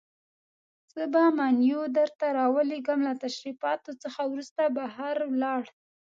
زه به منیو درته راولېږم، له تشریفاتو څخه وروسته بهر ولاړ.